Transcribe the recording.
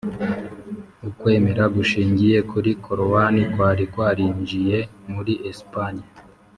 ukwemera gushingiye kuri korowani kwari kwarinjiye muri esipanye